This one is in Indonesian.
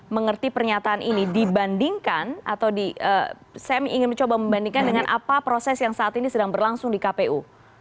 mengerti pernyataan ini dibandingkan atau saya ingin mencoba membandingkan dengan apa proses yang saat ini sedang berlangsung di kpu